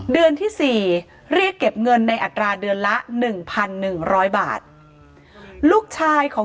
เดือนที่๔เรียกเก็บเงินในอัตราเดือนละ๑๑๐๐บาทลูกชายของ